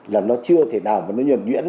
là nó chưa thể nào nhuễn